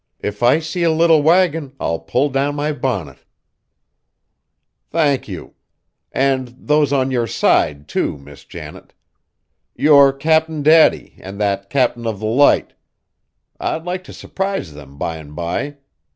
"If I see a little wagon, I'll pull down my bonnet." "Thank you. And those on your side, too, Miss Janet! Your Cap'n Daddy, and that Captain of the Light, I'd like to surprise them by and by.